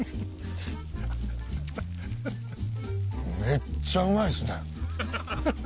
めっちゃうまいですね。